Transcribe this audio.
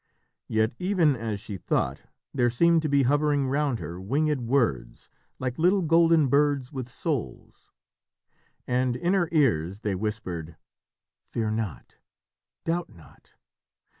Yet, even as she thought, there seemed to be hovering round her winged words, like little golden birds with souls. And in her ears they whispered, "Fear not. Doubt not.